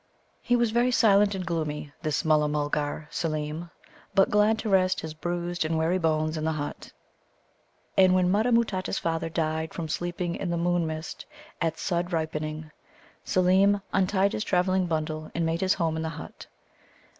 He was very silent and gloomy, this Mulla mulgar, Seelem, but glad to rest his bruised and weary bones in the hut. And when Mutta matutta's father died from sleeping in the moon mist at Sudd ripening, Seelem untied his travelling bundle and made his home in the hut.